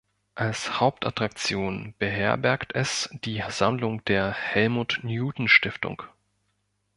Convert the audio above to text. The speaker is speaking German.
Als Hauptattraktion beherbergt es die Sammlung der "Helmut-Newton-Stiftung".